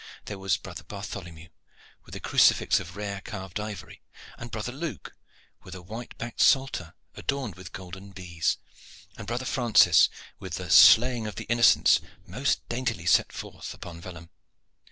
There was brother Bartholomew with a crucifix of rare carved ivory, and brother Luke with a white backed psalter adorned with golden bees, and brother Francis with the "Slaying of the Innocents" most daintily set forth upon vellum.